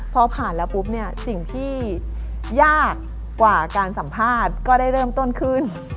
พอผ่านแล้วปุ๊บเนี่ยสิ่งที่ยากกว่าการสัมภาษณ์ก็ได้เริ่มต้นขึ้น